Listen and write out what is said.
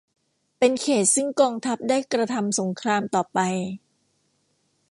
เป็นเขตต์ซึ่งกองทัพได้กระทำสงครามต่อไป